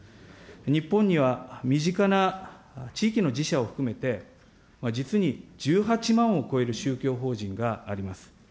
日本には身近な地域の寺社を含めて、実に１８万を超える宗教法人があります。